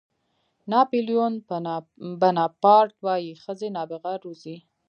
ناپلیون بناپارټ وایي ښځې نابغه روزي.